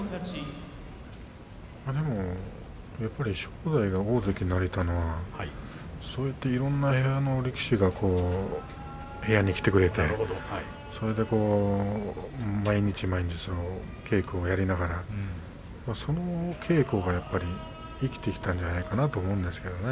でも、やっぱり正代が大関になれたのはそうやっていろんな部屋の力士が部屋に来てくれてそれで毎日毎日稽古をやりながらその稽古がやっぱり生きてきたんじゃないかなと思うんですよね。